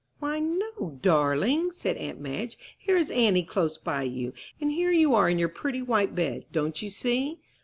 "Why no, darling!" said aunt Madge, "here is auntie close by you, and here you are in your pretty white bed; don't you see?"